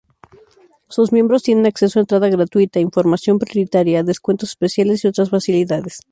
Sus miembros tienen acceso a entrada gratuita, información prioritaria, descuentos especiales y otras facilidades.